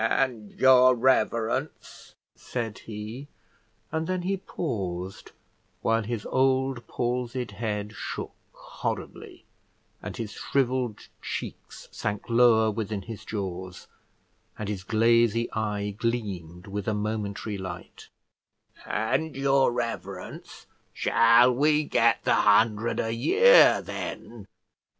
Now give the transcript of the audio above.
"And your reverence," said he, and then he paused, while his old palsied head shook horribly, and his shrivelled cheeks sank lower within his jaws, and his glazy eye gleamed with a momentary light; "and your reverence, shall we get the hundred a year, then?"